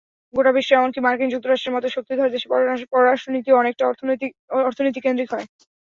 গোটা বিশ্ব এমনকি মার্কিন যুক্তরাষ্ট্রের মতো শক্তিধর দেশের পররাষ্ট্রনীতিও অনেকটা অর্থনীতিকেন্দ্রিক হয়।